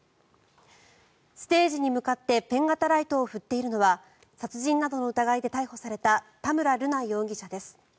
ステージに向かってペン型ライトを振っているのは殺人などの疑いで逮捕された田村瑠奈容疑者です。